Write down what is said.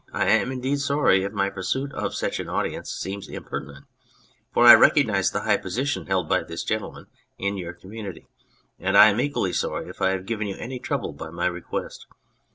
" I am indeed sorry if my pursuit of such an audience seems impertinent, for I recognise the high position held by this gentleman in your community ; and I am equally sorry if I have given you any trouble by my request.